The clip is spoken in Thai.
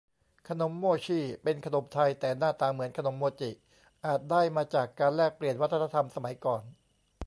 ขนมโม่ชี่ เป็นขนมไทย แต่หน้าตาเหมือนขนมโมจิ อาจได้มาจากการแลกเปลี่ยนวัฒนธรรมสมัยก่อน